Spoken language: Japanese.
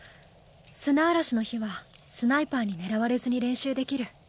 砂嵐の日はスナイパーに狙われずに練習できる。